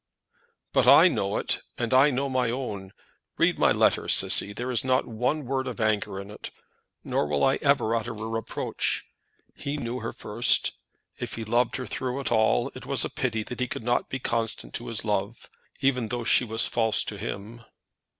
"But I know it, and I know my own. Read my letter, Cissy. There is not one word of anger in it, nor will I ever utter a reproach. He knew her first. If he loved her through it all, it was a pity he could not be constant to his love, even though she was false to him."